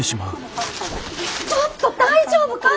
ちょっと大丈夫か！？